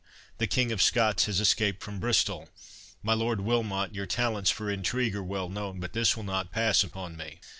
The King of Scots has escaped from Bristol.—My Lord Wilmot, your talents for intrigue are well known; but this will not pass upon me."